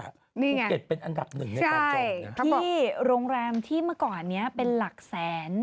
ภูเก็ตเป็นอันดับหนึ่งในกระจกที่โรงแรมที่เมื่อก่อนเนี้ยเป็นหลักแสน